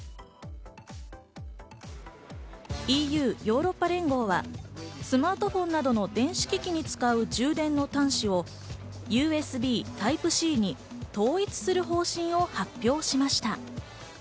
ＥＵ＝ヨーロッパ連合はスマートフォンなどの電子機器に使う充電の端子をＵＳＢタイプＣに統一する方針を発表しました。